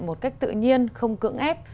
một cách tự nhiên không cưỡng ép